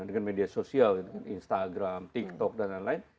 dengan media sosial instagram tiktok dan lain lain